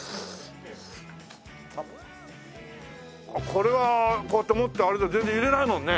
これはこうやって持って歩いても全然揺れないもんね！